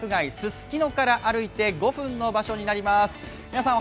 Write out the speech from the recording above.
すすきのから歩いて５分の場所になります。